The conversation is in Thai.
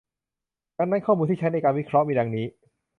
ดังนั้นข้อมูลที่ใช้ในการวิเคราะห์มีดังนี้